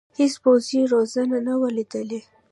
هېڅ پوځي روزنه نه وه لیدلې.